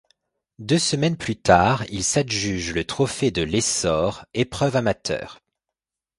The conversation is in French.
Deux semaines plus tard, il s'adjuge le Trophée de l'Essor, épreuve amateur.